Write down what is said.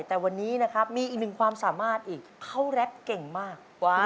แต่วันนี้นะครับมีอีกหนึ่งความสามารถอีกเขาแรปเก่งมาก